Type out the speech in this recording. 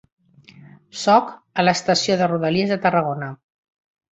Soc a l'Estació de rodalies de Tarragona.